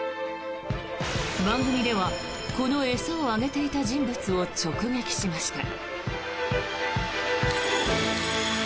番組ではこの餌をあげていた人物を直撃しました。